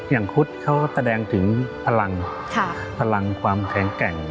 อย่างครุฑที่เขาแสดงถึงพลังพลังความแข็งแก่ง